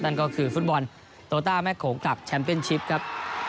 นั่นก็คือฟุตบอลโตต้าแม่โขงกับแชมป์เป็นชิปครับ